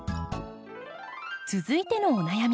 続いてのお悩み。